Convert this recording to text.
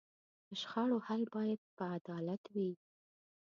د شخړو حل باید په عدالت وي.